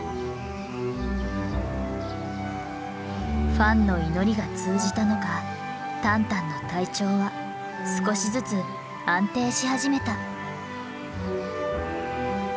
ファンの祈りが通じたのかタンタンの体調は少しずつ安定し始めた。